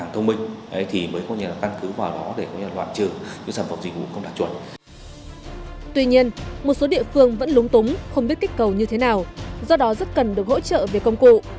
tuy nhiên một số địa phương vẫn lúng túng không biết kích cầu như thế nào do đó rất cần được hỗ trợ về công cụ